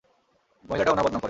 মহিলাটা উনার বদনাম করে।